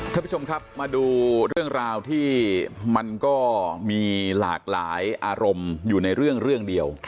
ท่านผู้ชมครับมาดูเรื่องราวที่มันก็มีหลากหลายอารมณ์อยู่ในเรื่องเดียว